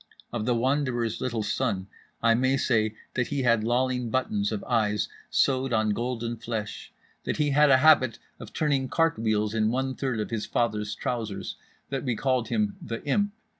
Of The Wanderer's little son I may say that he had lolling buttons of eyes sewed on gold flesh, that he had a habit of turning cart wheels in one third of his father's trousers, that we called him The Imp.